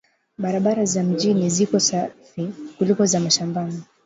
Barabara za mjini ziko safi kuliko za mashambani